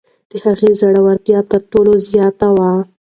د هغې زړورتیا تر ټولو زیاته وه.